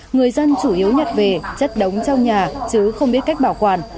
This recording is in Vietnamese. người dân chủ yếu nhặt về chất đống trong nhà chứ không biết cách bảo quản